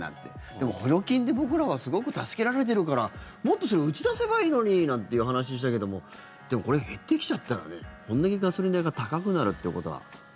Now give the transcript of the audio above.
でも、補助金で僕らはすごく助けられているからもっとそれを打ち出せばいいのにという話をしたけどでもこれ、減ってきちゃったらねこれだけガソリン代が高くなるということは。